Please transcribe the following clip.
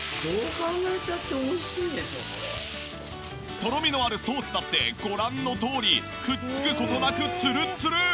とろみのあるソースだってご覧のとおりくっつく事なくツルッツルン！